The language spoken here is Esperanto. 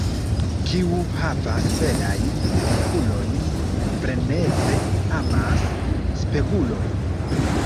Kiu havas belajn okulojn, freneze amas spegulojn.